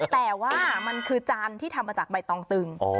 แต่ว่ามันคือจานที่ทำมาจากใบตองตึง